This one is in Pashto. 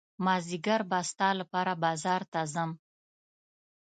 مازدیګر به ستا لپاره بازار ته ځم.